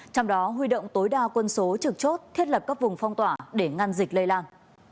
trong đó huy động tối đa quân số trực chốt thiết lập các vùng phong tỏa để ngăn dịch lây lan